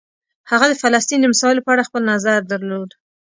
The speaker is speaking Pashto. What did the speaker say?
هغه د فلسطین د مسایلو په اړه خپل نظر درلود.